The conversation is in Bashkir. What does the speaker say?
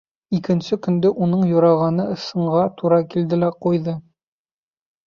Икенсе көндө уның юрағаны ысынға тура килде лә ҡуйҙы.